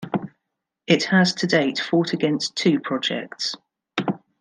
It has to date fought against two projects.